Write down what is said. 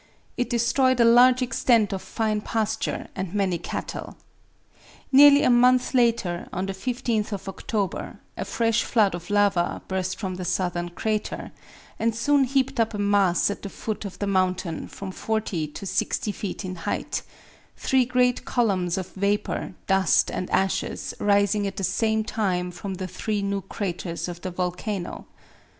It destroyed a large extent of fine pasture and many cattle. Nearly a month later, on the 15th of October, a fresh flood of lava burst from the southern crater, and soon heaped up a mass at the foot of the mountain from 40 to 60 feet in height, three great columns of vapor, dust and ashes rising at the same time from the three new craters of the volcano.